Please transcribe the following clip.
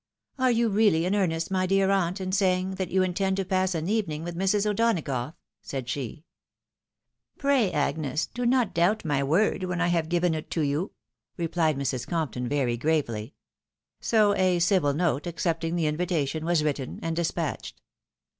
" Are you really in earnest, my dear aunt, in saying that you intend to pass an evening with Mrs. O'Donagough?" said she. " Pray, Agnes, do not doubt my word when I have given it to you," replied Mrs. Compton, very gravely. So a civil note, accepting the invitation, was written and despatched.